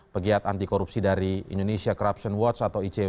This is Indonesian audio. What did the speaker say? pegiat antikorupsi dari indonesia corruption watch atau icw